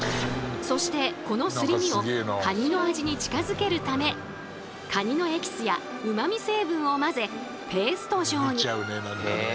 そしてこのすり身をカニの味に近づけるためカニのエキスやうまみ成分を混ぜペースト状に。